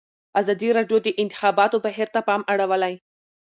ازادي راډیو د د انتخاباتو بهیر ته پام اړولی.